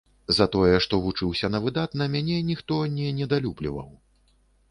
За тое, што вучыўся на выдатна, мяне ніхто не недалюбліваў.